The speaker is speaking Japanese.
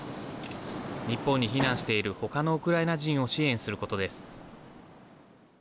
日本に避難している他のウクライナ人を支援することです。